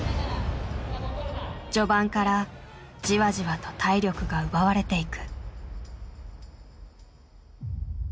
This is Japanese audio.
序盤からじわじわと体力が奪われていく。